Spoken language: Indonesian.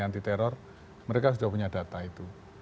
anti teror mereka sudah punya data itu